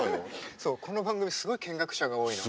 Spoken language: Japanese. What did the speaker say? そうこの番組すごい見学者が多いの。